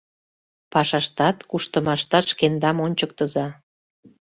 — Пашаштат, куштымаштат шкендам ончыктыза!